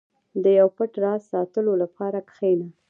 • د یو پټ راز ساتلو لپاره کښېنه.